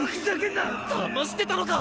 だましてたのか！？